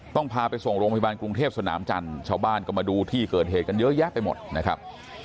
พาไปส่งโรงพยาบาลกรุงเทพสนามจันทร์ชาวบ้านก็มาดูที่เกิดเหตุกันเยอะแยะไปหมดนะครับ